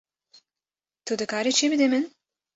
Tu dikarî çi bidî min?